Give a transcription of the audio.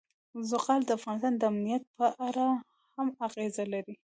زغال د افغانستان د امنیت په اړه هم اغېز لري.